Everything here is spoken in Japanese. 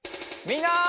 みんな！